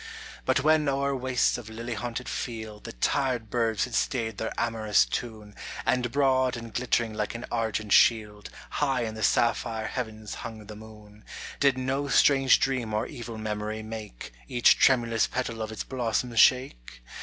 But when o'er wastes of lily haunted field The tired birds had stayed their amorous tune, And broad and glittering like an argent shield High in the sapphire heavens hung the moon, Did no strange dream or evil memory make Each tremulous petal of its blossoms shake